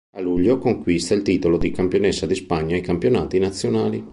A luglio conquista il titolo di campionessa di Spagna ai campionati nazionali.